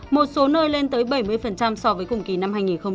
một số nơi lên tới bảy mươi so với cùng kỳ năm hai nghìn một mươi chín